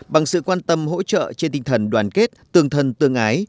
bằng sự quan tâm hỗ trợ trên tinh thần đoàn kết tương thân tương ái